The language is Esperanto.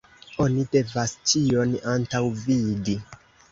Oni devas ĉion antaŭvidi.